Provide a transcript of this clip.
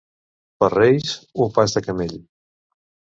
Per Reis, un pas de camell.